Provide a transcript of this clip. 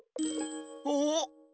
お。